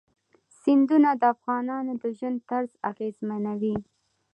سیندونه د افغانانو د ژوند طرز اغېزمنوي.